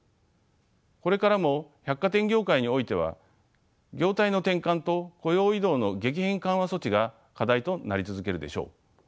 これからも百貨店業界においては業態の転換と雇用移動の激変緩和措置が課題となり続けるでしょう。